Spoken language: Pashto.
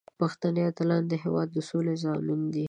پښتني اتلان د هیواد د سولې ضامن دي.